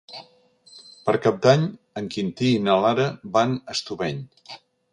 Per Cap d'Any en Quintí i na Lara van a Estubeny.